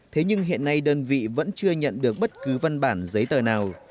thế nhưng hiện nay đơn vị vẫn chưa nhận được bất cứ văn bản giấy tờ nào